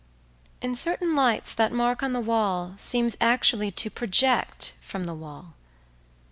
…In certain lights that mark on the wall seems actually to project from the wall.